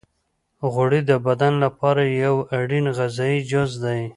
غوړې د بدن لپاره یو اړین غذایي جز دی.